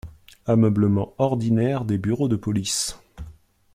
Ameublement ordinaire des bureaux de police…